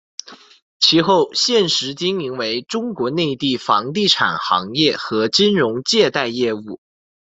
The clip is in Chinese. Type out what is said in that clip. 其后现时经营为中国内地房地产行业和金融借贷业务。